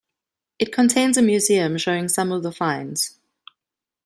It contains a museum showing some of the finds.